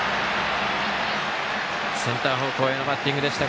センター方向へのバッティングでした。